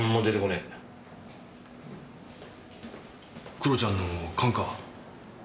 黒ちゃんの勘か？